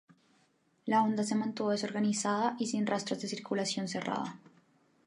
La onda se mantuvo desorganizada y sin rastros de circulación cerrada.